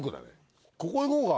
ここへ行こうか。